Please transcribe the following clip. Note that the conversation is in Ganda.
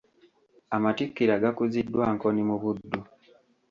Amatikkira gakuziddwa Nkoni mu Buddu.